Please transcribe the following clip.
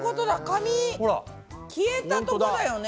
紙消えたとこだよね